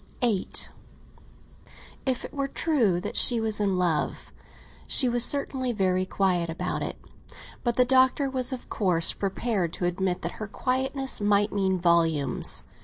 VIII IF it were true that she was in love, she was certainly very quiet about it; but the Doctor was of course prepared to admit that her quietness might mean volumes.